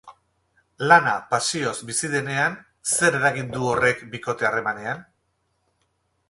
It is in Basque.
Lana pasioz bizi denean, zer eragin du horrek bikote harremanean?